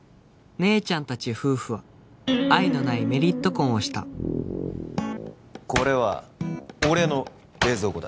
姉ちゃんたち夫婦は愛のないメリット婚をしたこれは俺の冷蔵庫だ